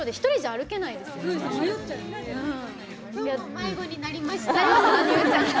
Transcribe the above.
迷子になりました。